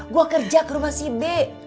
gue kerja ke rumah si b